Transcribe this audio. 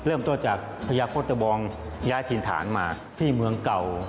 เริ่มต้นจากพญาโฆษบองย้ายถิ่นฐานมาที่เมืองเก่า